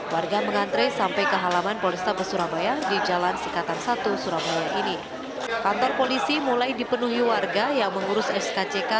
seperti mbak mbak ini saya lihat ini tetap setia antri di sini